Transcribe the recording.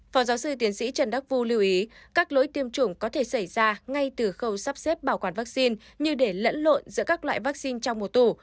phó giáo sư tiến sĩ trần đắc vu lưu ý các lối tiêm chủng có thể xảy ra ngay từ khâu sắp xếp bảo quản vaccine như để lẫn lộn giữa các loại vaccine trong một tù